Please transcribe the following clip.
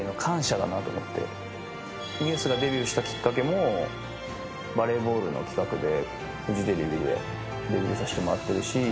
ＮＥＷＳがデビューしたきっかけもバレーボールの企画でフジテレビでデビューさせてもらってるし。